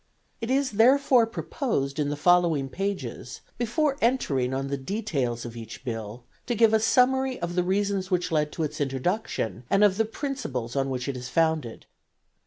It is, therefore, proposed in the following pages, before entering on the details of each Bill, to give a summary of the reasons which led to its introduction, and of the principles on which it is founded.